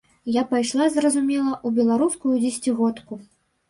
Я пайшла, зразумела, у беларускую дзесяцігодку.